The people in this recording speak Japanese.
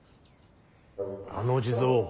あの地蔵